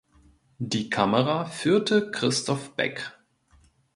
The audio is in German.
Die Kamera führte Christoph Beck.